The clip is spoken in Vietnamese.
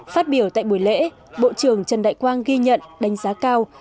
phát biểu tại buổi lễ bộ trưởng trần đại quang ghi nhận đánh giá cao